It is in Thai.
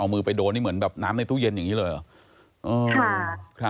เอามือไปโดนนี่เหมือนแบบน้ำในตู้เย็นอย่างนี้เลยเหรอ